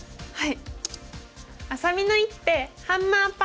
はい。